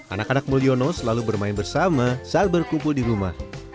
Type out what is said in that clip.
anak anak mulyono selalu bermain bersama saat berkumpul di rumah